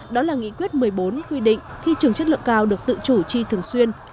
đó là nghị quyết một mươi bốn quy định khi trường chất lượng cao được tự chủ chi thường xuyên